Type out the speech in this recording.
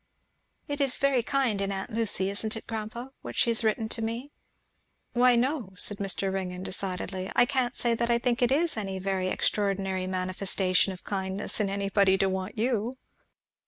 "It is very kind in aunt Lucy, isn't it, grandpa, what she has written to me?" "Why no," said Mr. Ringgan, decidedly, "I can't say I think it is any very extraordinary manifestation of kindness in anybody to want you."